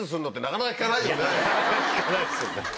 なかなか聞かないですよね。